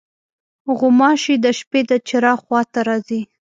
غوماشې د شپې د چراغ خوا ته راځي.